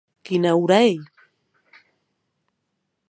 Quina ora ei?